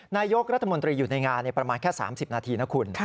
นายกรัฐมนตรีอยู่ในงานประมาณแค่๓๐นาทีนะคุณ